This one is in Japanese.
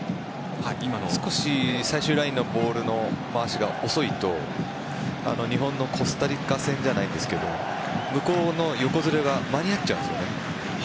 少し最終ラインのボールの回しが遅いと日本のコスタリカ戦じゃないですけど向こうの横ずれが間に合っちゃうんですよね。